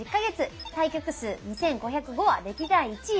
対局数２５０５は歴代１位！